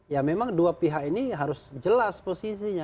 ya memang dua pihak ini harus jelas posisinya